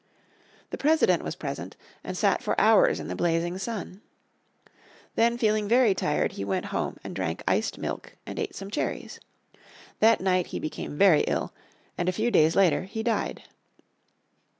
The President was present and sat for hours in the blazing sun. Then feeling very tired he went home and drank iced milk and ate some cherries. That night he became very ill, and a few days later he died.